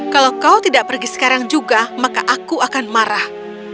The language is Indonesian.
kalau kau tidak pergi sekarang juga maka aku akan marah